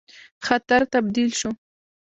خطر تبدیل شو.